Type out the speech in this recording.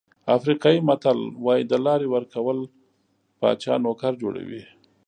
افریقایي متل وایي د لارې ورکول پاچا نوکر جوړوي.